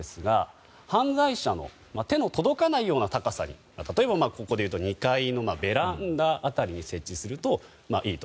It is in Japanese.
犯罪者の手の届かないような高さに例えば、ここでいうと２階のベランダ辺りに設置すると、いいと。